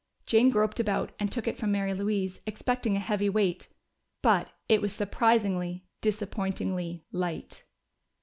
Jane groped about, and took it from Mary Louise, expecting a heavy weight. But it was surprisingly, disappointingly light!